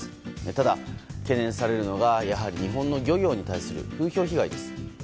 ただ懸念されるのがやはり日本の漁業に対する風評被害です。